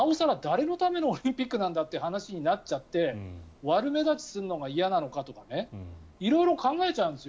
そうするとなお更誰のためのオリンピックなんだって話になっちゃって悪目立ちするのが嫌なのかとか色々考えちゃうんですよ